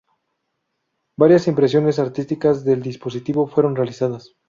Varias impresiones artísticas del dispositivo fueron realizadas.